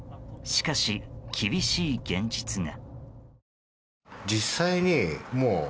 しかし、厳しい現実が。